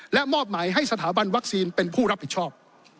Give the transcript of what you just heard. และมอบหมายให้สถาบันวัคซีนเป็นผู้รับผิดชอบ